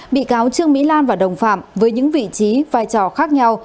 bị cáo trương mỹ lan và đồng phạm với những vị trí vai trò khác nhau